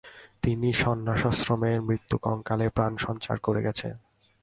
তিনিই সন্ন্যাসাশ্রমের মৃতকঙ্কালে প্রাণসঞ্চার করে গেছেন।